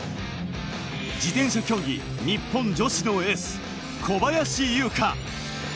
自転車競技日本女子のエース・小林優香。